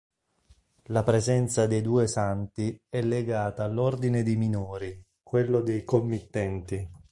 La presenza dei due santi è legata all'ordine dei Minori, quello dei committenti.